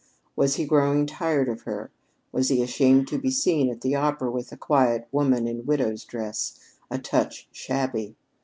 Was he growing tired of her? Was he ashamed to be seen at the opera with a quiet woman in widow's dress, a touch shabby?